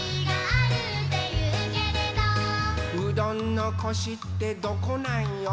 「うどんのコシってどこなんよ？」